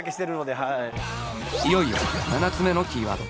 いよいよ７つ目のキーワード